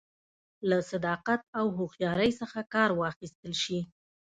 له صداقت او هوښیارۍ څخه کار واخیستل شي